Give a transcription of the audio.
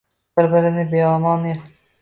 Bir-birini beomon —